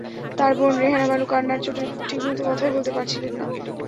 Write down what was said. তাঁর বোন রেহানা বানু কান্নার চোটে ঠিকমতো কথাই বলতে পারছিলেন না।